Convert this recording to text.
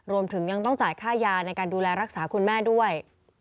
รวมถึงยังต้องจ่ายค่ายาในการดูแลรักษาคุณแม่ด้วย